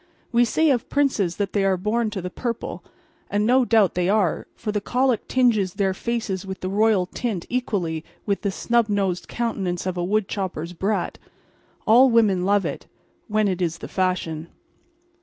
We say of princes that they are born to the purple; and no doubt they are, for the colic tinges their faces with the royal tint equally with the snub nosed countenance of a woodchopper's brat. All women love it—when it is the fashion.